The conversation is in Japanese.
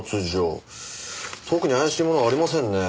特に怪しいものはありませんね。